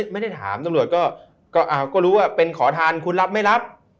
ไม่ได้ถามตำรวจก็รู้ว่าเป็นขอทานคุณรับไม่รับ